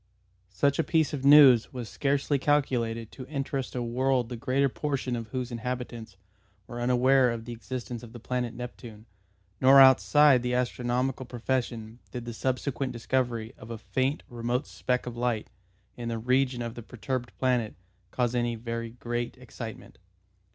Such a piece of news was scarcely calculated to interest a world the greater portion of whose inhabitants were unaware of the existence of the planet Neptune, nor outside the astronomical profession did the subsequent discovery of a faint remote speck of light in the region of the perturbed planet cause any very great excitement.